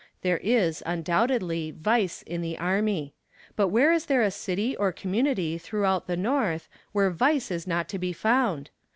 There is, undoubtedly, vice in the army; but where is there a city or community throughout the North where vice is not to be found?